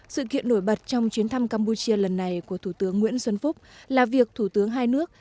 sự kiện nổi bật trong chuyến thăm campuchia lần này của thủ tướng nguyễn xuân phúc là việc thủ tướng hai nước